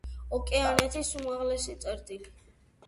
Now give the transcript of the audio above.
ოკეანეთის უმაღლესი წერტილი.